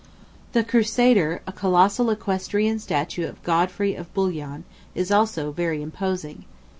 The Crusader, a colossal equestrian statue of Godfrey of Bouillon, is also very imposing.